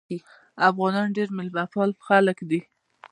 افغانان ډېر میلمه پال خلک دي.